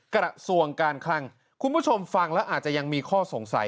กระทรวงการคลังคุณผู้ชมฟังแล้วอาจจะยังมีข้อสงสัย